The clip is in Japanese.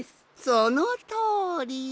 そのとおり。